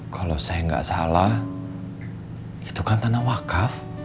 kalau saya nggak salah itu kan tanah wakaf